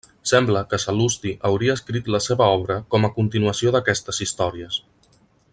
Sembla que Sal·lusti hauria escrit la seva obra com a continuació d'aquestes històries.